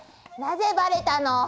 なぜバレたの？